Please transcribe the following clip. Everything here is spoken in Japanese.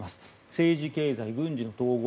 政治、経済、軍事の統合。